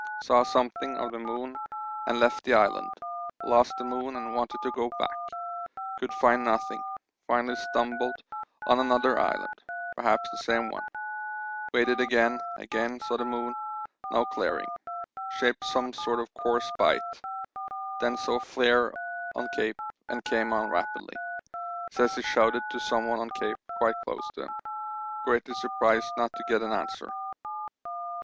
Saw something of the moon and left the island; lost the moon and wanted to go back; could find nothing; finally stumbled on another island, perhaps the same one; waited again, again saw the moon, now clearing; shaped some sort of course by it then saw flare on Cape and came on rapidly says he shouted to someone on Cape quite close to him, greatly surprised not to get an answer.